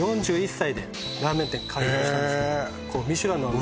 ４１歳でラーメン店開業したんですね